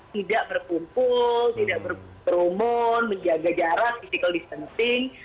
tidak berkumpul tidak berumun menjaga jarak physical distancing